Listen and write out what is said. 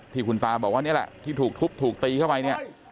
ที่คุณตาบอกว่านี่แหละที่ถูกทุบถูกตีเข้าไปเนี่ย